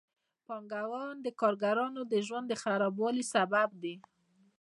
پانګوال د کارګرانو د ژوند د خرابوالي سبب دي